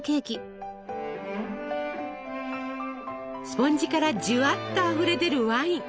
スポンジからじゅわっとあふれ出るワイン。